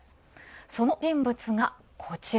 その人物が、こちら。